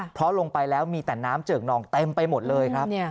เพราะลงไปแล้วมีแต่น้ำเจิกนองเต็มไปหมดเลยครับ